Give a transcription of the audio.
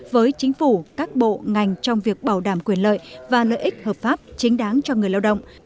với chính phủ các bộ ngành trong việc bảo đảm quyền lợi và lợi ích hợp pháp chính đáng cho người lao động